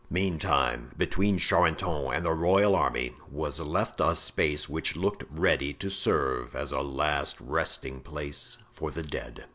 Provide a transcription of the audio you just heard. Meantime, between Charenton and the royal army was left a space which looked ready to serve as a last resting place for the dead.